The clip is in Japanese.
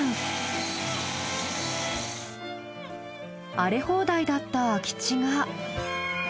荒れ放題だった空き地が。